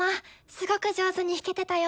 すごく上手に弾けてたよ。